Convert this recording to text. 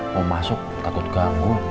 mau masuk takut ganggu